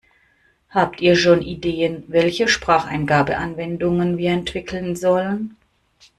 Habt ihr schon Ideen, welche Spracheingabe-Anwendungen wir entwickeln sollen?